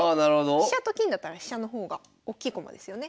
飛車と金だったら飛車の方が大きい駒ですよね。